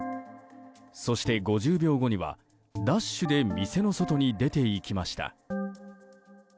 そして５０秒後にはダッシュで店の外に出ていきました。